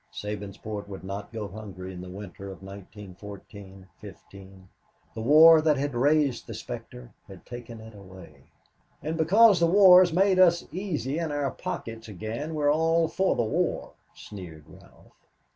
Sabinsport would not go hungry in the winter of 1914 15. The war that had raised the specter had taken it away. "And because the war has made us easy in our pockets again, we are all for the war," sneered Ralph.